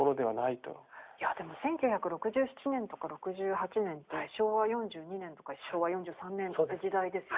いやでも１９６７年とか６８年って昭和４２年とか昭和４３年って時代ですよね。